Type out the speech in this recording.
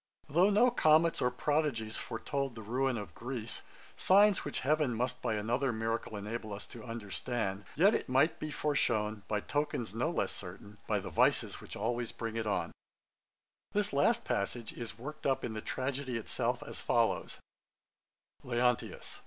'Though no comets or prodigies foretold the ruin of Greece, signs which heaven must by another miracle enable us to understand, yet might it be foreshewn, by tokens no less certain, by the vices which always bring it on_.' This last passage is worked up in the tragedy itself, as follows: LEONTIUS.